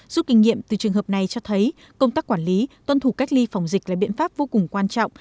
giúp kinh nghiệm từ trường hợp này cho thấy công tác quản lý tuân thủ cách ly phòng dịch là biện pháp vô cùng quan trọng